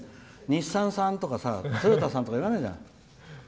日産さんとかトヨタさんとかいらないじゃない。